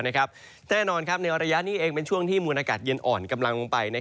แน่นอนในระยะนี้เองเป็นช่วงที่มวลอากาศเย็นอ่อนกำลังลงไป